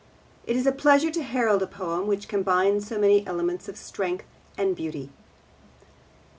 It is a pleasure to herald a poem which combines so many elements of strength and beauty.